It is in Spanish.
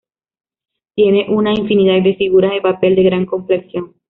Tiene una infinidad de figuras de papel de gran complexión.